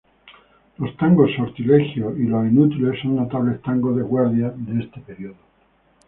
Los tangos "Sortilegio" y "Los inútiles" son notables tangos de Guardia de este período.